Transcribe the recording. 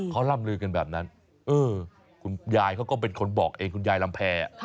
เขาร่ำลือกันแบบนั้นคุณยายเขาก็เป็นคนบอกเองคุณยายลำแพร